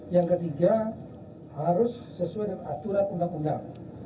yang ketiga harus sesuai dengan aturan undang undang